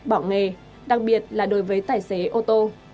bỏ nghề đặc biệt là đối với tài xế ô tô